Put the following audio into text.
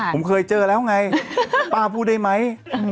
ผมเคยเจอแล้วไงป้าพูดได้ไหม